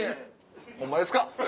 ホンマですか？